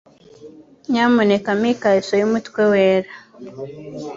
Nyamuneka mpa ikariso yumutwe wera.